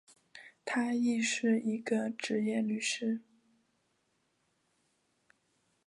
他亦是一个执业律师。